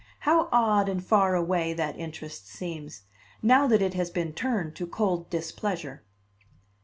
How odd and far away that interest seems, now that it has been turned to cold displeasure!